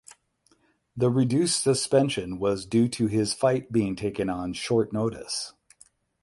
The reduced suspension was due to his fight being taken on short notice.